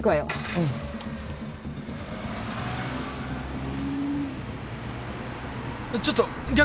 うんちょっと逆逆！